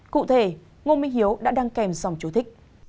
cụ thể ngô minh hiếu đã đăng kèm dòng chú thích